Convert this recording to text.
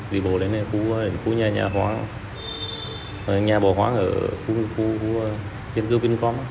vì bộ đến khu nhà bò hoang ở khu tiên cư vincom